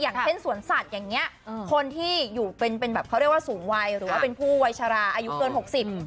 อย่างเช่นสวนสัตว์อย่างนี้คนที่อยู่เป็นเป็นแบบเขาเรียกว่าสูงวัยหรือว่าเป็นผู้วัยชราอายุเกินหกสิบ